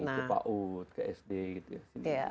ke pak u ke sd gitu ya